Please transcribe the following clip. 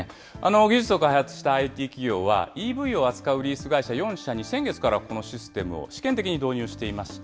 技術を開発したＩＴ企業はＥＶを扱うリース会社４社に先月からこのシステムを試験的に導入していまして、